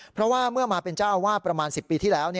เพราะว่าเมื่อมาเป็นเจ้าอาวาสประมาณ๑๐ปีที่แล้ว